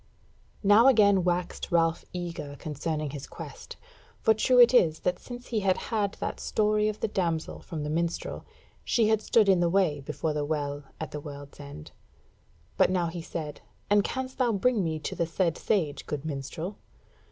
Now again waxed Ralph eager concerning his quest; for true it is that since he had had that story of the damsel from the minstrel, she had stood in the way before the Well at the World's End. But now he said: "And canst thou bring me to the said sage, good minstrel?"